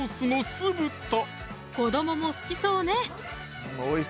子どもも好きそうね